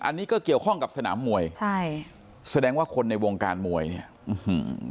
อันนี้ก็เกี่ยวข้องกับสนามมวยใช่แสดงว่าคนในวงการมวยเนี่ยอื้อหือ